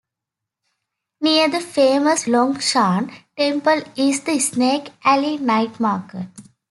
Near the famous Longshan Temple is the Snake Alley Night Market.